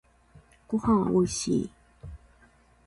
ごはんおいしい。